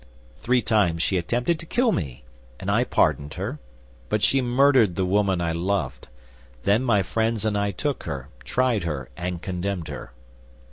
"Three times she attempted to kill me, and I pardoned her; but she murdered the woman I loved. Then my friends and I took her, tried her, and condemned her."